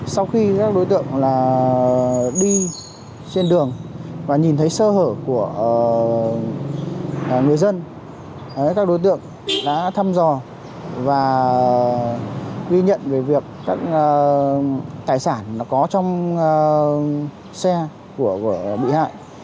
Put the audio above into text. sau khi các đối tượng đi trên đường và nhìn thấy sơ hở của người dân các đối tượng đã thăm dò và ghi nhận về việc các tài sản có trong xe của bị hại